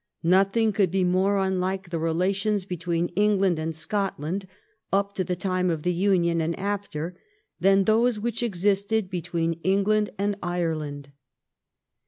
Nothing could be more unUke the relations between England and Scotland, up to the time of the Union and after, than those which existed between England and Ireland.